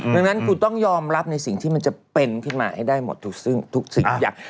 ดังนั้นคุณต้องยอมรับในสิ่งที่มันจะเป็นขึ้นมาให้ได้หมดทุกสิ่งทุกอย่าง